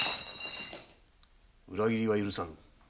裏切りは許さん。